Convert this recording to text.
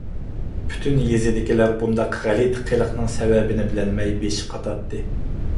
پۈتۈن يېزىدىكىلەر بۇنداق غەلىتە قىلىقنىڭ سەۋەبىنى بىلەلمەي بېشى قاتاتتى.